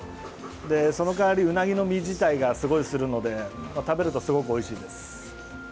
その代わり、うなぎの身自体がすごいするので食べるとすごくおいしいです。